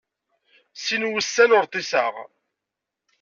Sin wussan ur ṭṭiseɣ.